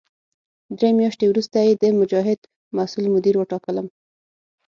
درې میاشتې وروسته یې د مجاهد مسوول مدیر وټاکلم.